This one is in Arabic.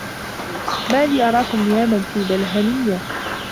مالي أراكم نياماً في بلهنيّة